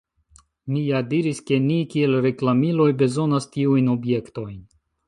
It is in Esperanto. Mi ja diris, ke ni kiel reklamiloj bezonas tiujn objektojn.